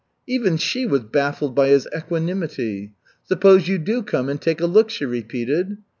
Even she was baffled by his equanimity. "Suppose you do come and take a look," she repeated.